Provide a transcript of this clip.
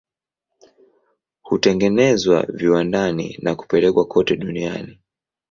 Hutengenezwa viwandani na kupelekwa kote duniani.